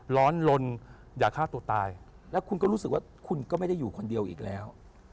ร้อนลนอย่าฆ่าตัวตายแล้วคุณก็รู้สึกว่าคุณก็ไม่ได้อยู่คนเดียวอีกแล้ว